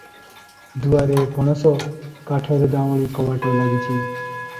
ଦୁଆରେ ପଣସ କାଠର ଯାଉଁଳି କବାଟ ଲାଗିଛି ।